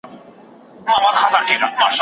خیرات ورکول د زړه سکون دی.